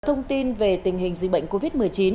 thông tin về tình hình dịch bệnh covid một mươi chín